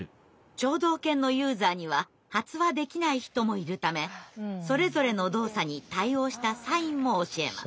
聴導犬のユーザーには発話できない人もいるためそれぞれの動作に対応したサインも教えます。